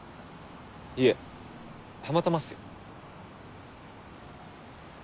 いえたまたまっすよ。